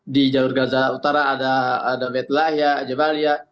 di jalur gaza utara ada betlah ajebalia